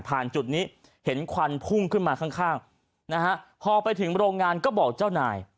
จุดนี้เห็นควันพุ่งขึ้นมาข้างนะฮะพอไปถึงโรงงานก็บอกเจ้านาย